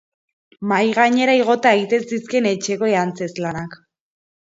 Mahai gainera igota egiten zizkien etxekoei antzezlanak.